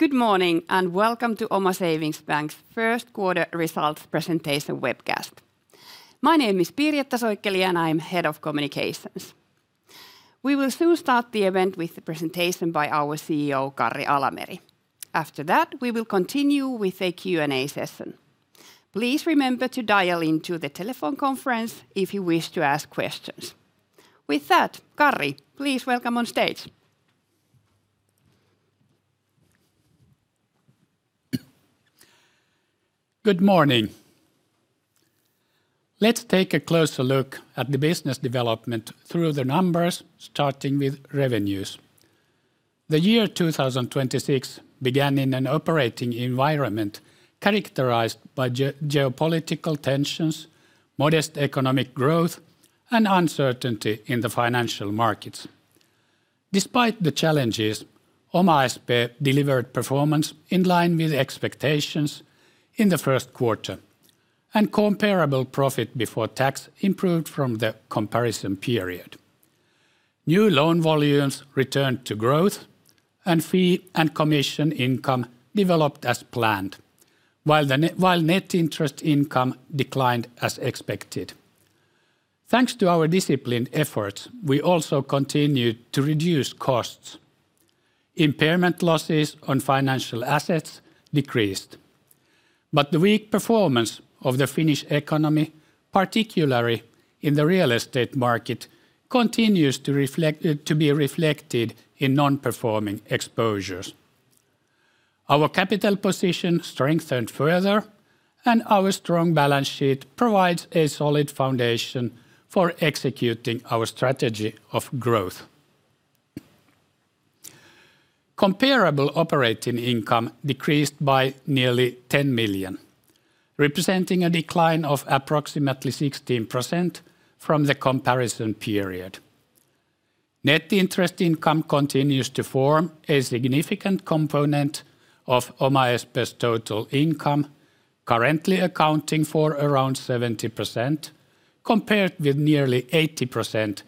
Good morning. Welcome to Oma Savings Bank's First Quarter Results Presentation Webcast. My name is Pirjetta Soikkeli, and I'm Head of Communications. We will soon start the event with the presentation by our CEO, Karri Alameri. After that, we will continue with a Q&A session. Please remember to dial into the telephone conference if you wish to ask questions. With that, Karri, please welcome on stage. Good morning. Let's take a closer look at the business development through the numbers, starting with revenues. The year 2026 began in an operating environment characterized by geopolitical tensions, modest economic growth, and uncertainty in the financial markets. Despite the challenges, OmaSp delivered performance in line with expectations in the first quarter, and comparable profit before tax improved from the comparison period. New loan volumes returned to growth, and fee and commission income developed as planned, while net interest income declined as expected. Thanks to our disciplined efforts, we also continued to reduce costs. Impairment losses on financial assets decreased. The weak performance of the Finnish economy, particularly in the real estate market, continues to reflect to be reflected in non-performing exposures. Our capital position strengthened further, and our strong balance sheet provides a solid foundation for executing our strategy of growth. Comparable operating income decreased by nearly 10 million, representing a decline of approximately 16% from the comparison period. Net interest income continues to form a significant component of OmaSp's total income, currently accounting for around 70%, compared with nearly 80%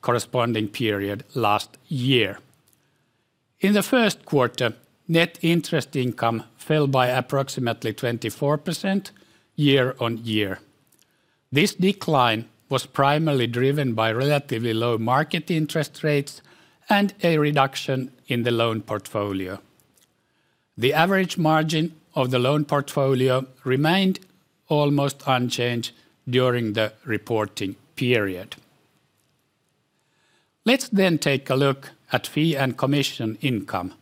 corresponding period last year. In the Q1, net interest income fell by approximately 24% year-on-year. This decline was primarily driven by relatively low market interest rates and a reduction in the loan portfolio. The average margin of the loan portfolio remained almost unchanged during the reporting period. Let's then take a look at fee and commission income.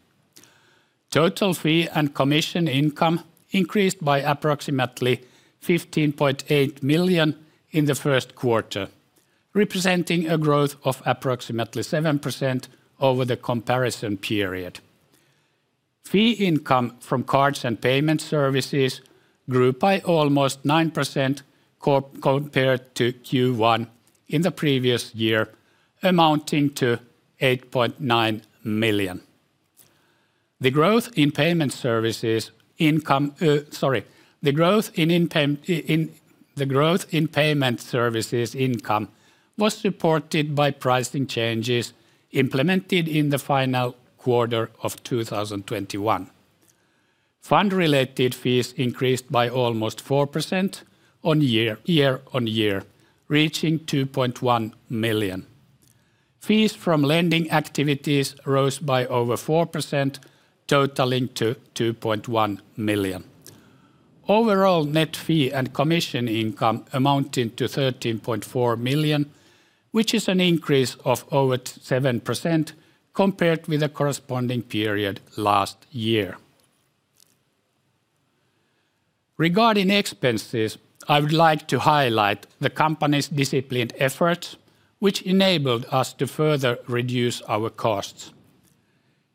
Total fee and commission income increased by approximately 15.8 million in the first quarter, representing a growth of approximately 7% over the comparison period. Fee income from cards and payment services grew by almost 9% compared to Q1 in the previous year, amounting to 8.9 million. The growth in payment services income was supported by pricing changes implemented in the final quarter of 2021. Fund-related fees increased by almost 4% year-on-year, reaching 2.1 million. Fees from lending activities rose by over 4%, totaling to 2.1 million. Overall net fee and commission income amounted to 13.4 million, which is an increase of over 7% compared with the corresponding period last year. Regarding expenses, I would like to highlight the company's disciplined efforts, which enabled us to further reduce our costs.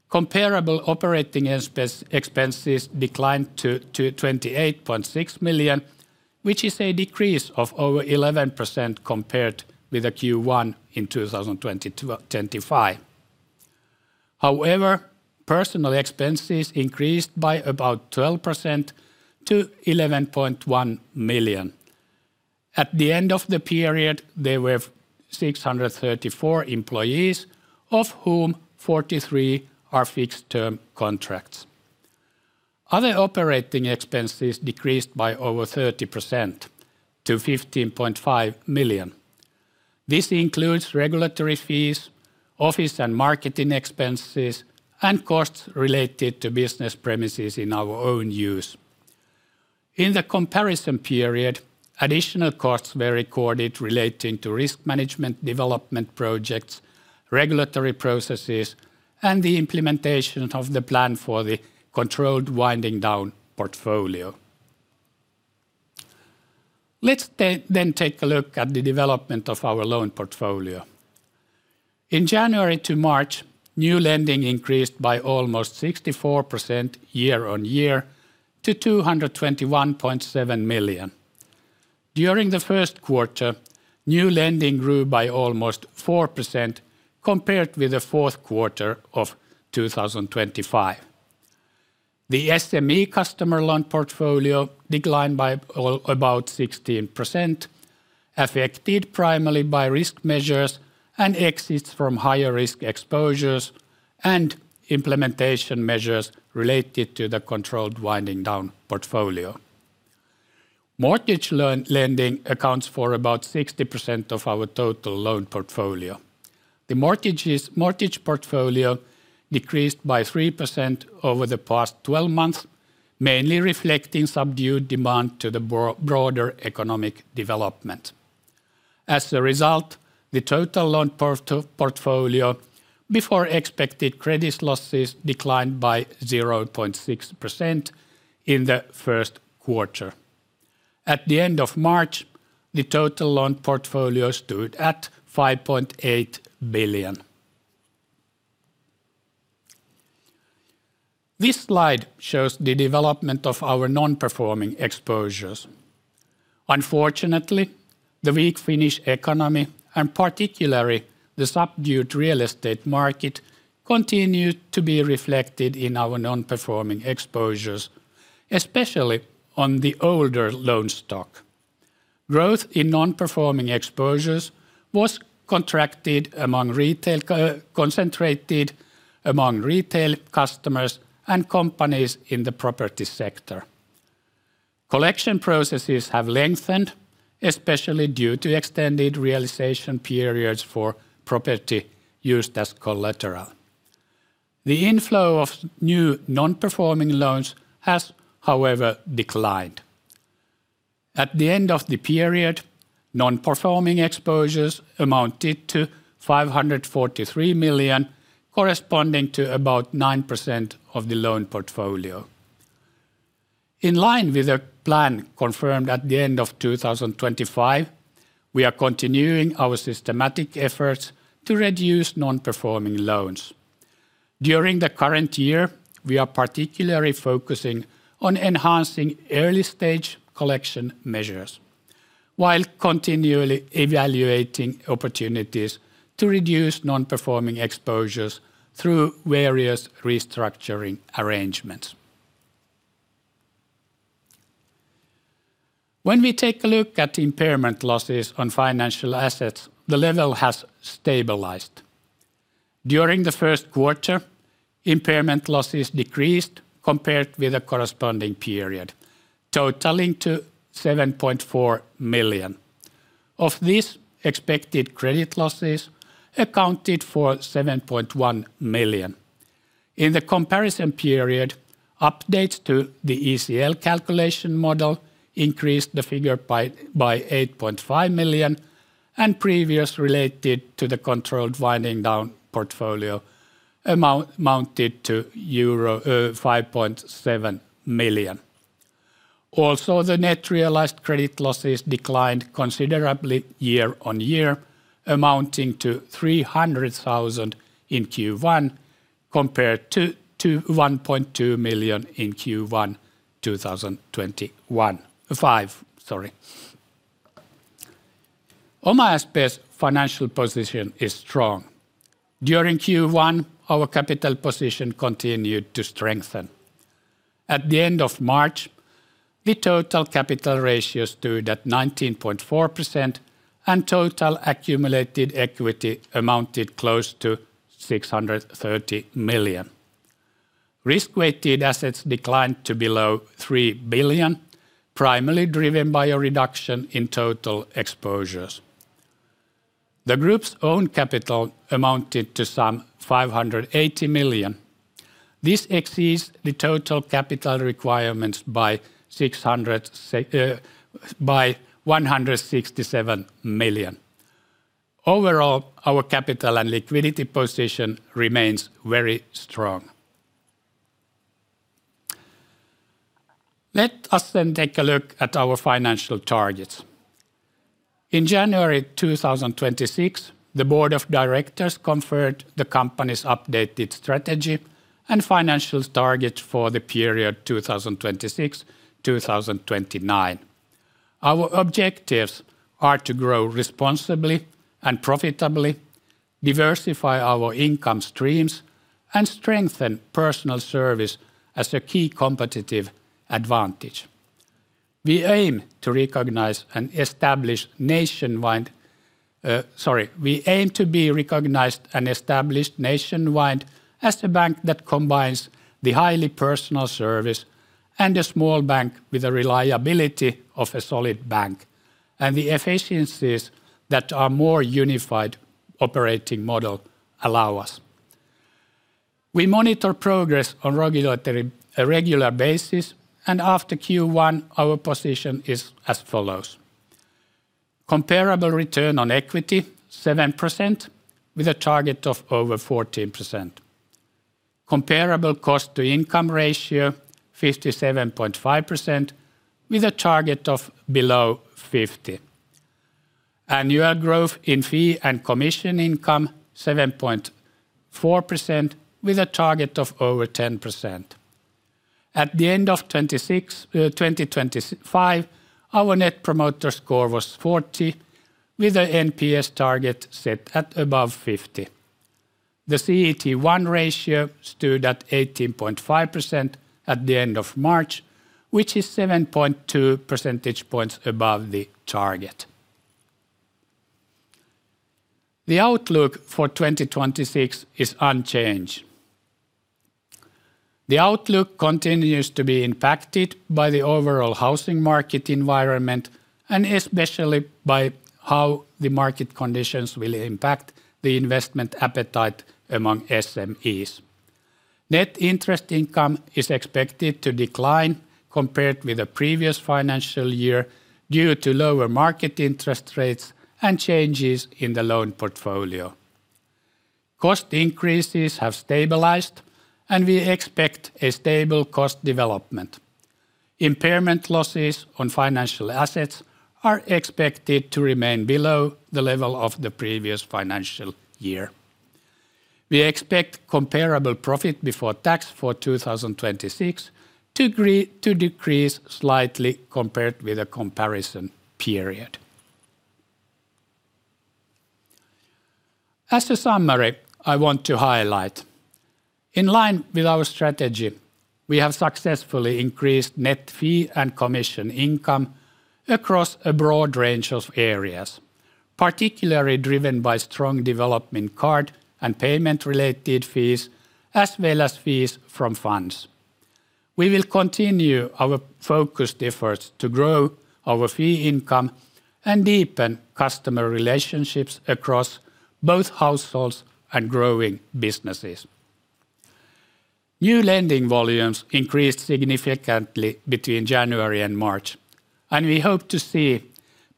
Comparable operating expenses declined to 28.6 million, which is a decrease of over 11% compared with the Q1 in 2025. Personnel expenses increased by about 12% to 11.1 million. At the end of the period, there were 634 employees, of whom 43 are fixed-term contracts. Other operating expenses decreased by over 30% to 15.5 million. This includes regulatory fees, office and marketing expenses, and costs related to business premises in our own use. In the comparison period, additional costs were recorded relating to risk management development projects, regulatory processes, and the implementation of the plan for the controlled winding down portfolio. Let's then take a look at the development of our loan portfolio. In January to March, new lending increased by almost 64% year-on-year to 221.7 million. During the first quarter, new lending grew by almost 4% compared with the fourth quarter of 2025. The SME customer loan portfolio declined by about 16%, affected primarily by risk measures and exits from higher risk exposures and implementation measures related to the controlled winding down portfolio. Mortgage loan lending accounts for about 60% of our total loan portfolio. The mortgage portfolio decreased by 3% over the past 12 months, mainly reflecting subdued demand to the broader economic development. As a result, the total loan portfolio before expected credit losses declined by 0.6% in the first quarter. At the end of March, the total loan portfolio stood at 5.8 billion. This slide shows the development of our non-performing exposures. Unfortunately, the weak Finnish economy, and particularly the subdued real estate market, continued to be reflected in our non-performing exposures, especially on the older loan stock. Growth in non-performing exposures was concentrated among retail customers and companies in the property sector. Collection processes have lengthened, especially due to extended realization periods for property used as collateral. The inflow of new non-performing loans has, however, declined. At the end of the period, non-performing exposures amounted to 543 million, corresponding to about 9% of the loan portfolio. In line with the plan confirmed at the end of 2025, we are continuing our systematic efforts to reduce non-performing loans. During the current year, we are particularly focusing on enhancing early stage collection measures while continually evaluating opportunities to reduce non-performing exposures through various restructuring arrangements. When we take a look at impairment losses on financial assets, the level has stabilized. During the first quarter, impairment losses decreased compared with the corresponding period, totaling to 7.4 million. Of this, expected credit losses accounted for 7.1 million. In the comparison period, updates to the ECL calculation model increased the figure by 8.5 million, and previous related to the controlled winding down portfolio amounted to euro 5.7 million. The net realized credit losses declined considerably year-on-year, amounting to 300,000 in Q1 compared to 1.2 million in Q1 2025. OmaSp financial position is strong. During Q1, our capital position continued to strengthen. At the end of March, the total capital ratio stood at 19.4%, and total accumulated equity amounted close to 630 million. Risk-weighted assets declined to below 3 billion, primarily driven by a reduction in total exposures. The group's own capital amounted to some 580 million. This exceeds the total capital requirements by 167 million. Overall, our capital and liquidity position remains very strong. Let us take a look at our financial targets. In January 2026, the board of directors confirmed the company's updated strategy and financial targets for the period 2026-2029. Our objectives are to grow responsibly and profitably, diversify our income streams, and strengthen personal service as a key competitive advantage. We aim to recognize and establish nationwide. Sorry. We aim to be recognized and established nationwide as the bank that combines the highly personal service and a small bank with the reliability of a solid bank, and the efficiencies that our more unified operating model allow us. We monitor progress on regulatory a regular basis, and after Q1, our position is as follows: Comparable return on equity, 7% with a target of over 14%. Comparable cost-to-income ratio, 57.5% with a target of below 50. Annual growth in fee and commission income, 7.4% with a target of over 10%. At the end of 2025, our Net Promoter Score was 40. With the NPS target set at above 50. The CET1 ratio stood at 18.5% at the end of March, which is 7.2 percentage points above the target. The outlook for 2026 is unchanged. The outlook continues to be impacted by the overall housing market environment, and especially by how the market conditions will impact the investment appetite among SMEs. Net interest income is expected to decline compared with the previous financial year due to lower market interest rates and changes in the loan portfolio. Cost increases have stabilized, and we expect a stable cost development. Impairment losses on financial assets are expected to remain below the level of the previous financial year. We expect comparable profit before tax for 2026 to decrease slightly compared with the comparison period. As a summary, I want to highlight, in line with our strategy, we have successfully increased net fee and commission income across a broad range of areas, particularly driven by strong development card and payment related fees as well as fees from funds. We will continue our focused efforts to grow our fee income and deepen customer relationships across both households and growing businesses. New lending volumes increased significantly between January and March, and we hope to see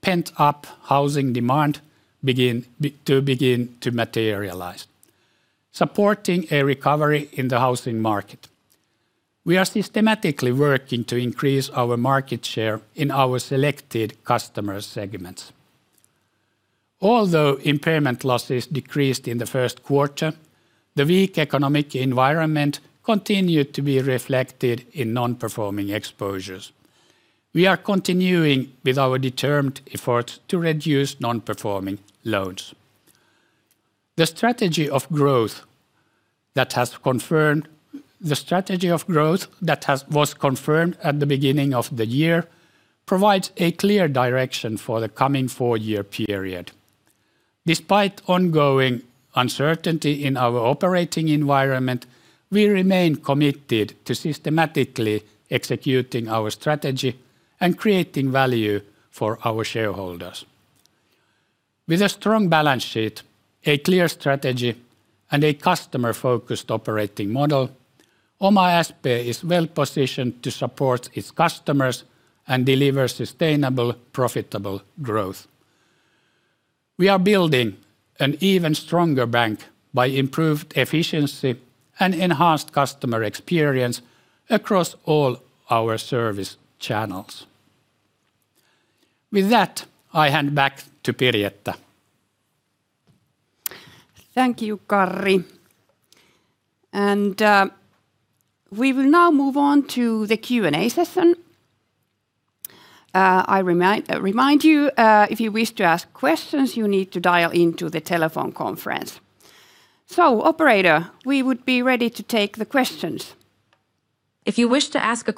pent-up housing demand to begin to materialize, supporting a recovery in the housing market. We are systematically working to increase our market share in our selected customer segments. Although impairment losses decreased in the first quarter, the weak economic environment continued to be reflected in non-performing exposures. We are continuing with our determined effort to reduce non-performing loans. The strategy of growth that has, was confirmed at the beginning of the year provides a clear direction for the coming four-year period. Despite ongoing uncertainty in our operating environment, we remain committed to systematically executing our strategy and creating value for our shareholders. With a strong balance sheet, a clear strategy, and a customer-focused operating model, OmaSp is well-positioned to support its customers and deliver sustainable, profitable growth. We are building an even stronger bank by improved efficiency and enhanced customer experience across all our service channels. With that, I hand back to Pirjetta. Thank you, Karri. We will now move on to the Q&A session. I remind you, if you wish to ask questions, you need to dial into the telephone conference. Operator, we would be ready to take the questions. The next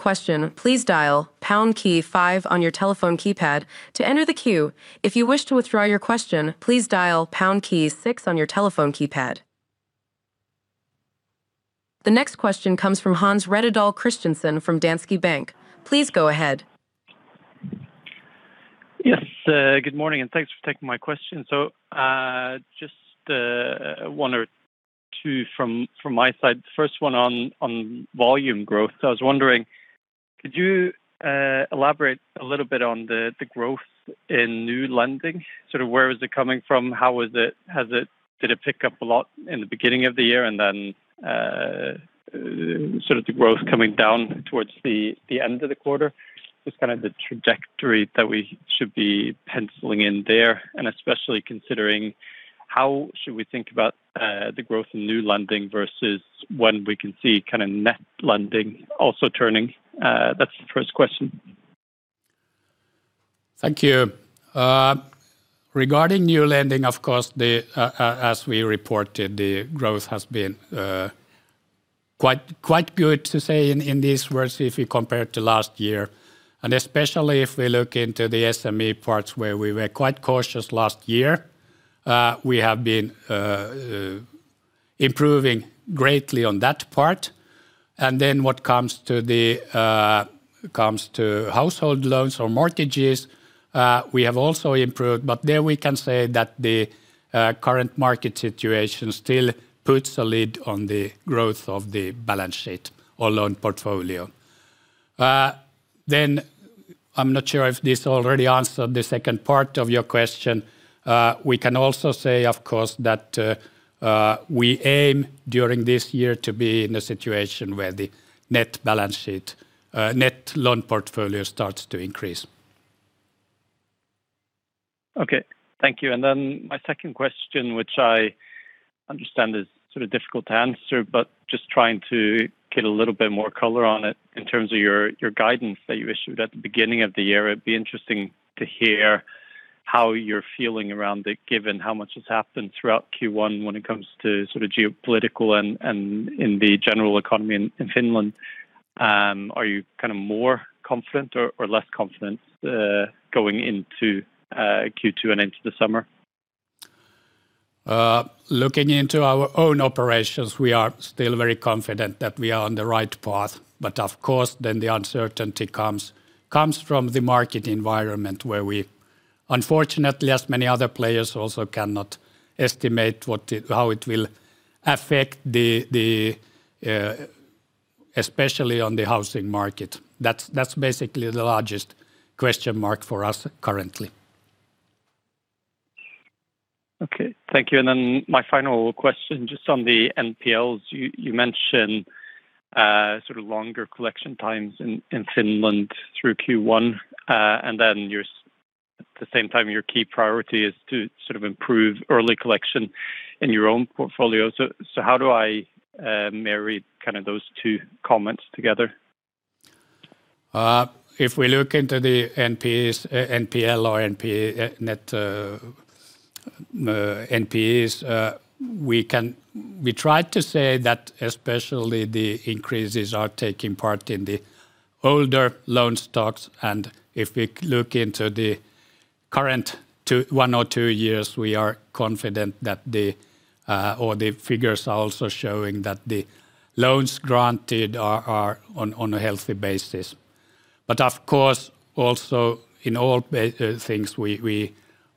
question comes from Hans Rettedal Christiansen from Danske Bank. Please go ahead. Yes, good morning, and thanks for taking my question. Just one or two from my side. First one on volume growth. I was wondering, could you elaborate a little bit on the growth in new lending? Sort of where is it coming from? How is it? Did it pick up a lot in the beginning of the year and then, sort of the growth coming down towards the end of the quarter? Just kind of the trajectory that we should be penciling in there, and especially considering how should we think about the growth in new lending versus when we can see kind of net lending also turning? That's the first question. Thank you. Regarding new lending, of course, as we reported, the growth has been quite good to say in these words if you compare to last year. Especially if we look into the SME parts where we were quite cautious last year, we have been improving greatly on that part. What comes to household loans or mortgages, we have also improved, but there we can say that the current market situation still puts a lid on the growth of the balance sheet or loan portfolio. I'm not sure if this already answered the second part of your question. We can also say, of course, that we aim during this year to be in a situation where the net balance sheet, net loan portfolio starts to increase. Okay. Thank you. My second question, which Understand it's sort of difficult to answer, but just trying to get a little bit more color on it in terms of your guidance that you issued at the beginning of the year. It'd be interesting to hear how you're feeling around it given how much has happened throughout Q1 when it comes to sort of geopolitical and in the general economy in Finland. Are you kind of more confident or less confident going into Q2 and into the summer? Looking into our own operations, we are still very confident that we are on the right path, but of course then the uncertainty comes from the market environment where we unfortunately, as many other players also cannot estimate what it how it will affect the especially on the housing market. That's basically the largest question mark for us currently. Okay. Thank you. My final question just on the NPLs. You mentioned sort of longer collection times in Finland through Q1, at the same time your key priority is to sort of improve early collection in your own portfolio. How do I marry kind of those two comments together? If we look into the NPEs, NPL or NPE net, NPEs, we try to say that especially the increases are taking part in the older loan stocks, and if we look into the current one or two years, we are confident that the, or the figures are also showing that the loans granted are on a healthy basis. Of course also in all things we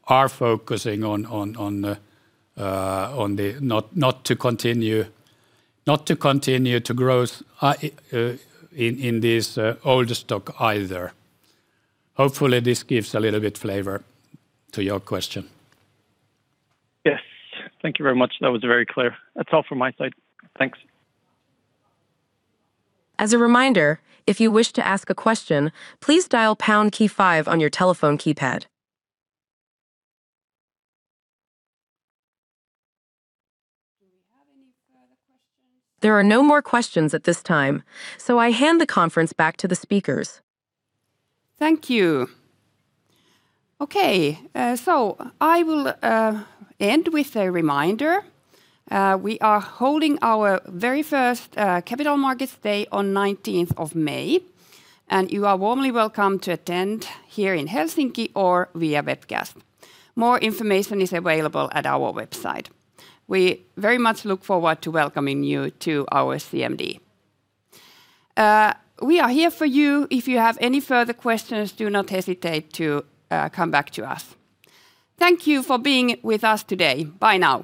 are focusing on the not to continue to growth in this older stock either. Hopefully this gives a little bit flavor to your question. Yes. Thank you very much. That was very clear. That's all from my side. Thanks. As a reminder, if you wish to ask a question, please dial pound key five on your telephone keypad. There are no more questions at this time. I hand the conference back to the speakers. Thank you. Okay. I will end with a reminder, we are holding our very first capital markets day on 19th of May, and you are warmly welcome to attend here in Helsinki or via webcast. More information is available at our website. We very much look forward to welcoming you to our CMD. We are here for you. If you have any further questions, do not hesitate to come back to us. Thank you for being with us today. Bye now.